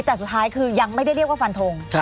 แต่สุดท้ายคือยังไม่ได้เรียกว่าฟันทง